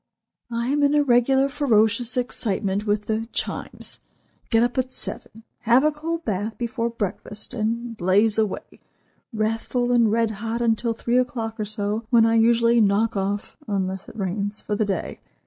"I am in a regular ferocious excitement with the Chimes; get up at seven; have a cold bath before breakfast; and blaze away, wrathful and red hot, until three o'clock or so, when I usually knock off (unless it rains) for the day.